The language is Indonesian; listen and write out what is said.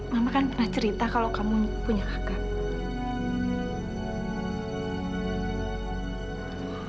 mama kan pernah cerita kalau kamu punya kakak